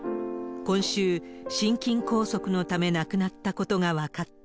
今週、心筋梗塞のため亡くなったことが分かった。